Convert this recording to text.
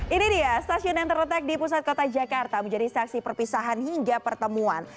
ini dia stasiun yang terletak di pusat kota jakarta menjadi saksi perpisahan hingga pertemuan